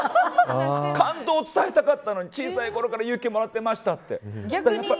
感動を伝えたかったのに小さいころから勇気をもらっていましたとか。